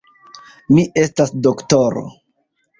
Mi estas doktoro.